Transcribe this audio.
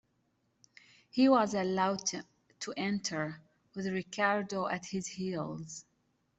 He was allowed to enter, with Ricardo at his heels.